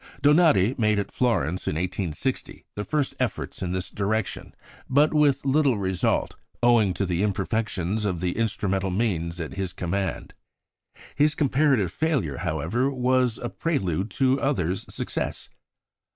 Donati made at Florence in 1860 the first efforts in this direction; but with little result, owing to the imperfections of the instrumental means at his command. His comparative failure, however, was a prelude to others' success.